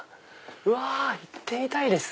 うわ行ってみたいです！